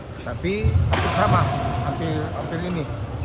tapi hampir sama hampir ini